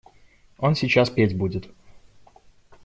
Он сейчас петь будет.